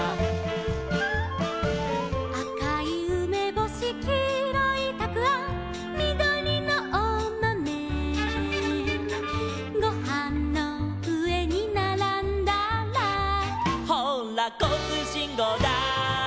「あかいうめぼし」「きいろいたくあん」「みどりのおまめ」「ごはんのうえにならんだら」「ほうらこうつうしんごうだい」